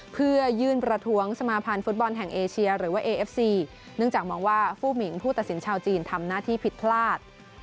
เพื่อยื่นประท้วงสมาพันธ์ฟุตบอลแห่งเอเชียหรือว่าเอเอฟซีเนื่องจากมองว่าผู้หมิงผู้ตัดสินชาวจีนทำหน้าที่ผิดพลาด